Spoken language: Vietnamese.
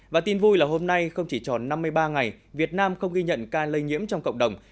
và tin vui là hôm nay không chỉ tròn năm mươi ba ngày việt nam không ghi nhận ca lây nhiễm trong cộng đồng